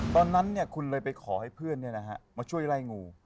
ตอนนั้นคุณเลยไปขอให้เพื่อนมาช่วยไล่งู